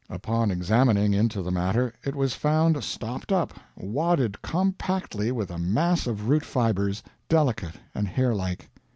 Upon examining into the matter it was found stopped up, wadded compactly with a mass of root fibres, delicate and hair like.